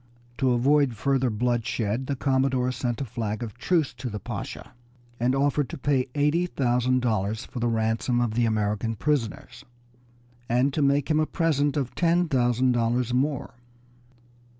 To avoid further bloodshed the commodore sent a flag of truce to the Pasha, and offered to pay eighty thousand dollars for the ransom of the American prisoners, and to make him a present of ten thousand dollars more.